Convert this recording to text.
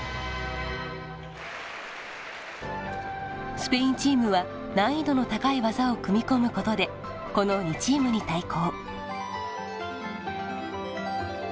スペインチームは難易度の高い技を組み込むことでこの２チームに対抗。